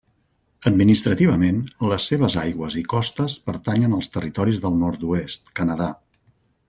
Administrativament, les seves aigües i costes pertanyen als Territoris del Nord-oest, Canadà.